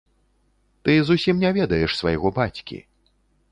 Ты зусім не ведаеш свайго бацькі.